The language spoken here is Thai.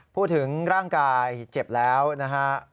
พูดถึงร่างกายเจ็บแล้วนะฮะ